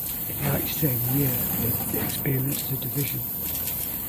In that same year they experienced a division.